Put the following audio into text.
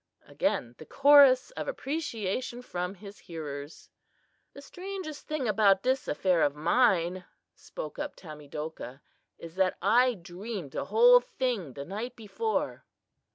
Again the chorus of appreciation from his hearers. "The strangest thing about this affair of mine," spoke up Tamedokah, "is that I dreamed the whole thing the night before."